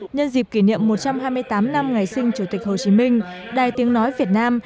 nhân dịp kỷ niệm một trăm hai mươi tám năm ngày sinh chủ tịch hồ chí minh đài tiếng nói việt nam